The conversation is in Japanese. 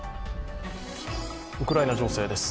ウクライナ情勢です。